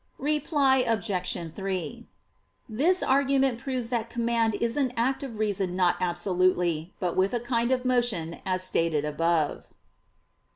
Reply Obj. 3: This argument proves that command is an act of reason not absolutely, but with a kind of motion as stated above.